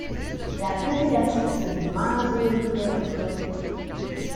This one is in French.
La population est majoritairement jeune.